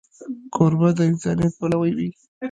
کوربه د انسانیت پلوی وي.